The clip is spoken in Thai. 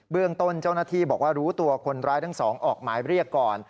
เรื่องต้นเจ้าหน้าที่บอกว่ารู้ตัวคนร้ายทั้งสองออกหมายเรียกก่อน